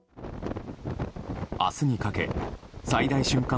明日にかけ最大瞬間